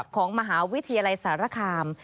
ของมหาวิทยาลัยสารคาม